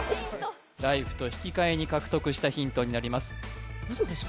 ライフと引き換えに獲得したヒントになりますウソでしょ？